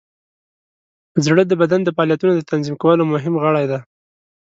زړه د بدن د فعالیتونو د تنظیم کولو مهم غړی دی.